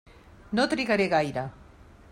No trigaré gaire.